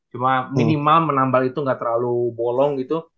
cuma minimal menambal itu nggak terlalu bolong gitu